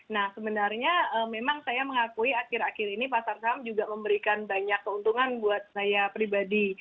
nah sebenarnya memang saya mengakui akhir akhir ini pasar saham juga memberikan banyak keuntungan buat saya pribadi